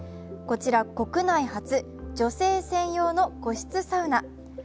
こちら国内初、女性専用の個室サウナ。